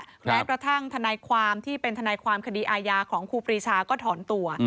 แม้กระทั่งทนายความที่เป็นทนายความคดีอาญาของครูปรีชาก็ถอนตัว